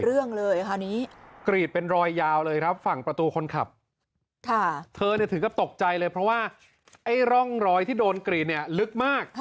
เรื่องเลยคราวนี้กรีดเป็นรอยยาวเลยครับฝั่งประตูคนขับเธอถึงกับตกใจเลยเพราะว่าไอ้ร่องรอยที่โดนกรีดเนี่ยลึกมาก